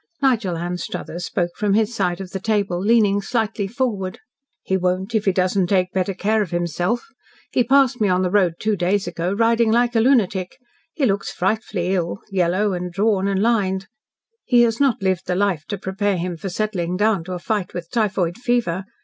Nigel Anstruthers spoke from his side of the table, leaning slightly forward. "He won't if he does not take better care of himself. He passed me on the road two days ago, riding like a lunatic. He looks frightfully ill yellow and drawn and lined. He has not lived the life to prepare him for settling down to a fight with typhoid fever.